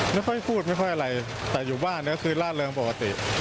ไม่ค่อยพูดไม่ค่อยอะไรแต่อยู่บ้านก็คือล่าเริงปกติ